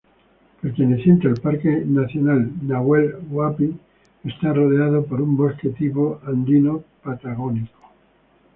Perteneciente al Parque Nacional Nahuel Huapi, está rodeado por un bosque tipo andido-patagónico.